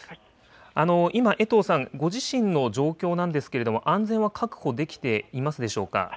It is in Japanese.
今、江藤さん、ご自身の状況なんですけれども、安全は確保できていますでしょうか。